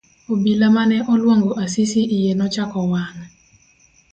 Obila mane oluongo Asisi iye nochako wang'.